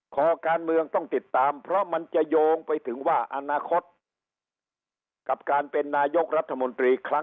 คอการเมืองต้องติดตามเพราะมันจะโยงไปถึงว่าอนาคตกับการเป็นนายกรัฐมนตรีครั้ง